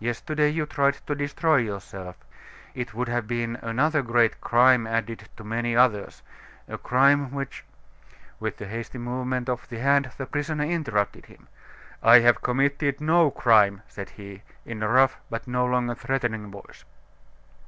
Yesterday you tried to destroy yourself. It would have been another great crime added to many others a crime which " With a hasty movement of the hand, the prisoner interrupted him. "I have committed no crime," said he, in a rough, but no longer threatening voice.